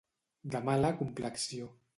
De mala complexió.